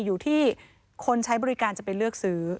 อยู่ที่คนใช้บริการจะไปเลือกซื้อ